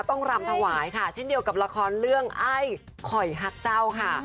รำถวายค่ะเช่นเดียวกับละครเรื่องไอ้คอยฮักเจ้าค่ะ